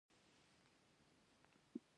وطن مور ده.